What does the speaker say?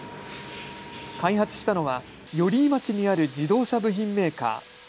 開発したのは寄居町にある自動車部品メーカー。